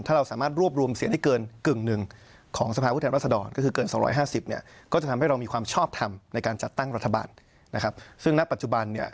ถ้าเราสามารถรวบรวมเสียได้เกินกึงของสภาพฤทธิ์รัฐรัศดอล